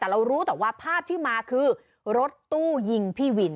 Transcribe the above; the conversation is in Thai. แต่เรารู้แต่ว่าภาพที่มาคือรถตู้ยิงพี่วิน